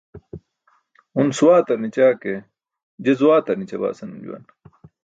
"un swaatar ni̇ća ke, je zwaatar ni̇ćabaa" senum juwan.